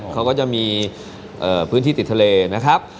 เขาก็จะมีพื้นที่ติดทะเลนะครับ